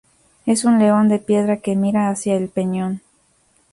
Es un león de piedra que mira hacia el peñón.